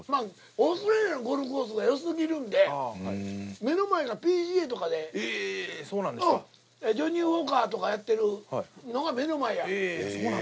オーストラリアのゴルフコースが良すぎるんで目の前がＰＧＡとかでジョニーウォーカーとかやってるのが目の前や。